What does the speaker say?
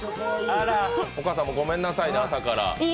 お母さんもごめんなさいね、朝から。